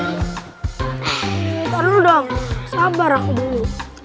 kita dulu dong sabar aku dulu